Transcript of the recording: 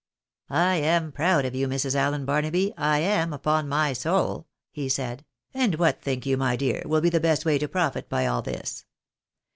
" I am proud of you, Mrs. Allen Barnaby, I am, upon my soul," he said; "and what, think you, my dear, will be the best way to profit by all this